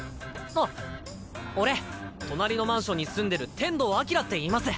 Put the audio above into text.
あっ俺隣のマンションに住んでる天道輝っていいます。